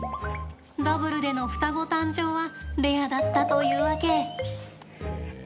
ダブルでの双子誕生はレアだったというわけ。